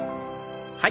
はい。